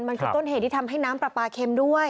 มันคือต้นเหตุที่ทำให้น้ำปลาปลาเข็มด้วย